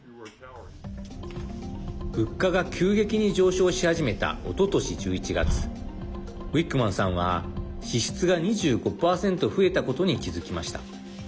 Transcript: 物価が急激に上昇し始めたおととし１１月ウィックマンさんは、支出が２５％増えたことに気付きました。